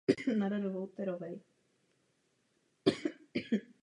Protože nyní zde existuje Unie, která s opovržením ohrožuje demokracii.